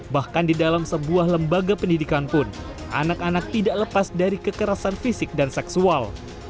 bahkan di dalam sebuah lembaga pendidikan pun anak anak tidak lepas dari kekerasan fisik dan seksual